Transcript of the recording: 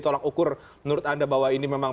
tolak ukur menurut anda bahwa ini memang